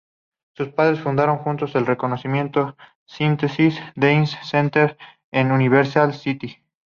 Sus padres fundaron juntos el reconocido Synthesis Dance Center en Universal City.